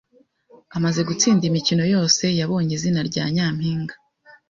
Amaze gutsinda imikino yose, yabonye izina rya nyampinga.